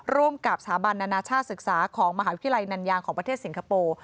ร่วมกับสถาบันนานาชาติศึกษาของมหาวิทยาลัยนันยางของประเทศสิงคโปร์